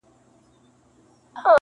پرېماني د نعمتونو د ځنګله وه -